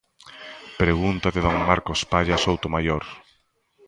Pregunta de don Marcos Palla Soutomaior.